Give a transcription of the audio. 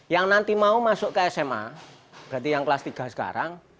yang nanti mau masuk ke sma berarti yang kelas tiga sekarang